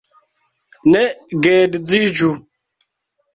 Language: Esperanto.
Ne geedziĝu.